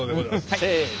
せの。